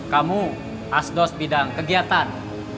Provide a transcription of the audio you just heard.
kamu asdos bidang kegiatan